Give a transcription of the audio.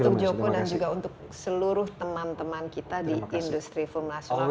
untuk joko dan juga untuk seluruh teman teman kita di industri film nasional